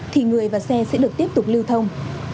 thì người và xe sẽ được tiếp tục lưu thông